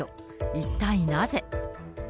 一体なぜ。